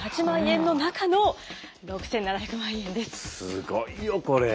すごいよこれ。